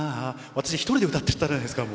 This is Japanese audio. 私、１人で歌っちゃったじゃないですか。